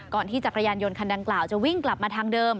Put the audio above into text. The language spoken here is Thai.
ที่จักรยานยนต์คันดังกล่าวจะวิ่งกลับมาทางเดิม